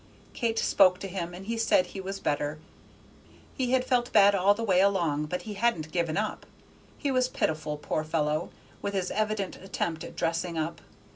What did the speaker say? Kate spoke to him, and he said he was better; he had felt bad all the way along, but he hadn't given up. He was pitiful, poor fellow, with his evident attempt at dressing up.